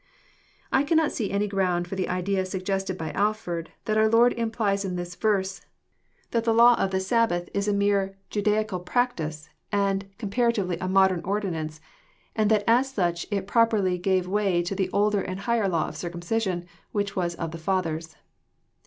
^ I cannot see any ground for the Idea suggested by Alford, that our Lord implies in this verse, that the law of the Sabbath JOHN, CHAP. yn. 25 Ib a mere Jadaical practice and comparatively a modem «>rdinance, and tliat as sach it properly gave way to the older and higher law of circamcision, which was "of the fathers."